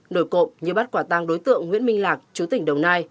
nổi cộng như bắt quả tăng đối tượng nguyễn minh lạc chú tỉnh đồng nai